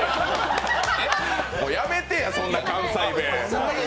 やめてや、そんな関西弁！